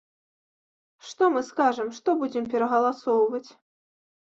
Што мы скажам, што будзем перагаласоўваць?